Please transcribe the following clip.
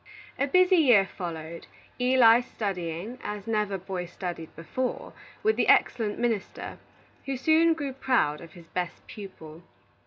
A busy year followed, Eli studying, as never boy studied before, with the excellent minister, who soon grew proud of his best pupil.